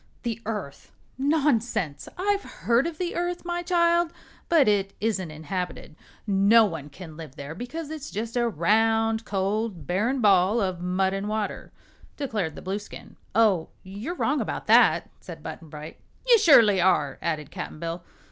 "The Earth? Nonsense! I've heard of the Earth, my child, but it isn't inhabited. No one can live there because it's just a round, cold, barren ball of mud and water," declared the Blueskin. "Oh, you're wrong about that," said Button Bright. "You surely are," added Cap'n Bill.